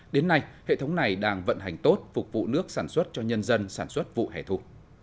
đến nay hệ thống này đang vận hành tốt phục vụ nước sản xuất cho nhân dân sản xuất vụ hẻ thụ